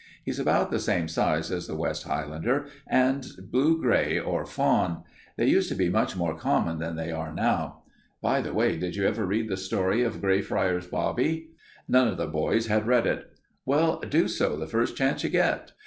He's about the same size as the West Highlander and he's blue gray or fawn. They used to be much more common than they are now. By the way, did you ever read the story of Greyfriars Bobby?" None of the boys had read it. "Well, do so the first chance you get.